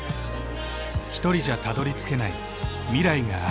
ひとりじゃたどりつけない未来がある。